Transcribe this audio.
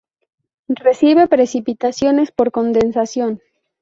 Recibe precipitaciones por condensación.